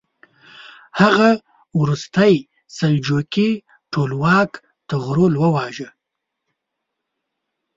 هغه وروستی سلجوقي ټولواک طغرل وواژه.